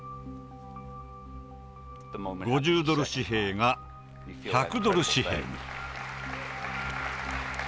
５０ドル紙幣が１００ドル紙幣に。